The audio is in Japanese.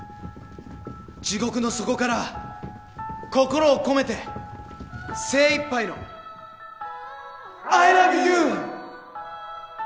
地獄の底から心をこめて精一杯のアイラブユー！